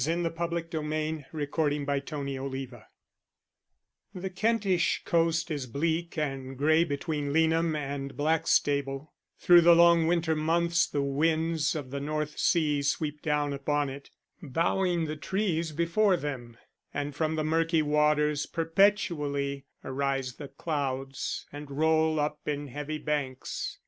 you can't think how I love you." Chapter VIII The Kentish coast is bleak and grey between Leanham and Blackstable; through the long winter months the winds of the North Sea sweep down upon it, bowing the trees before them; and from the murky waters perpetually arise the clouds, and roll up in heavy banks.